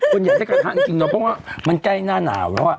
คนอยากได้กะทะจริงมันใกล้หน้าหนาวแล้วอ่ะ